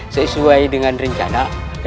sesuai dengan rencana